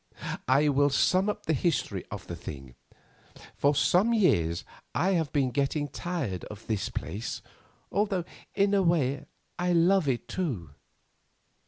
I will sum up the history of the thing. For some years I have been getting tired of this place, although, in a way, I love it too.